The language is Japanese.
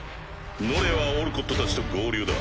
ノレアはオルコットたちと合流だ。